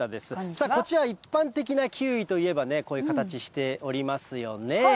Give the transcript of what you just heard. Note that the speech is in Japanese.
さあ、こちら一般的なキウイといえばね、こういう形しておりますよね。